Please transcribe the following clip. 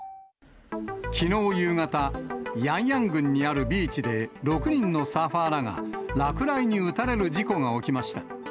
きのう夕方、ヤンヤン群にあるビーチで、６人のサーファーらが落雷に打たれる事故が起きました。